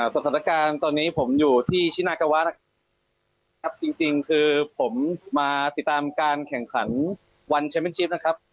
สถานการณ์ตอนนี้ผมอยู่ที่ชินากวะนะครับจริงคือผมมาติดตามการแข่งขันวันแชมเป็นชิปนะครับ